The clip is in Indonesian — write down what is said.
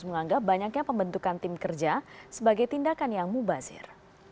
menganggap banyaknya pembentukan tim kerja sebagai tindakan yang mubazir